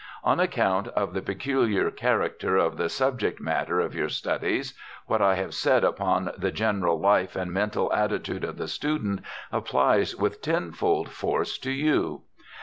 On account of the peculiar character of the subject matter of your studies, what I have said upon the general life and mental attitude of the student applies with tenfold force to you.